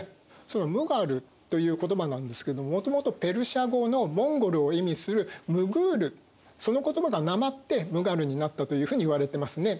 その「ムガル」という言葉なんですけどもともとペルシャ語の「モンゴル」を意味する「ムグール」その言葉がなまってムガルになったというふうにいわれてますね。